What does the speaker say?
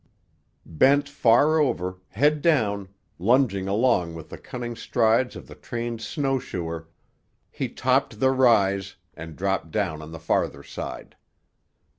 Bent far over, head down, lunging along with the cunning strides of the trained snowshoer, he topped the rise and dropped down on the farther side.